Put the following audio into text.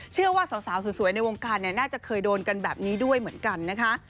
เชื่อว่าสาวสวยในวงการน่าจะเคยโดนกันแบบนี้ด้วยเหมือนกันนะคะ